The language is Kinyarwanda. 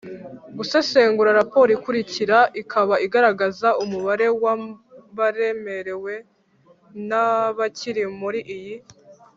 gusesengura raporo ikurikira ikaba igaragaza umubare w abaremewe n abakiri muri iyi